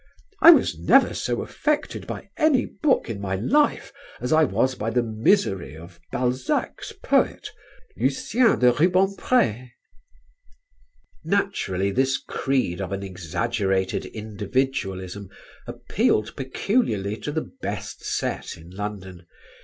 I was never so affected by any book in my life as I was by the misery of Balzac's poet, Lucien de Rubempré." Naturally this creed of an exaggerated individualism appealed peculiarly to the best set in London.